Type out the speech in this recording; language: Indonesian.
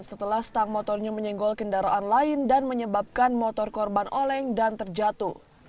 setelah stang motornya menyenggol kendaraan lain dan menyebabkan motor korban oleng dan terjatuh